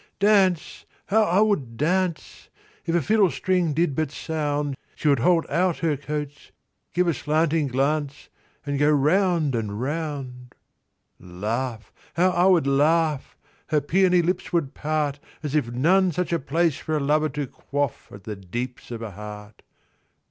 Dance; how 'a would dance! If a fiddlestring did but sound She would hold out her coats, give a slanting glance, And go round and round. Laugh; how 'a would laugh! Her peony lips would part As if none such a place for a lover to quaff At the deeps of a heart.